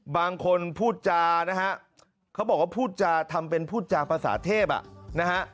บางคนพูดจานะฮะเขาบอกว่าพูดจาทำเป็นพูดจาภาษาเทพอ่ะนะฮะ